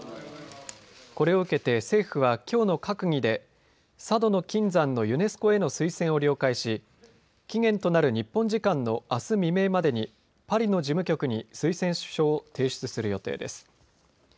これを受けて政府はきょうの閣議で佐渡島の金山のユネスコへの推薦を了解し、期限となる日本時間のあす未明までにパリの事務局に推薦書を提出する予定です。